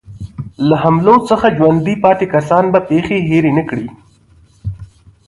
له حملو څخه ژوندي پاتې کسان به پېښې هېرې نه کړي.